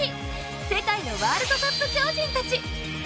世界のワールドカップ超人たち！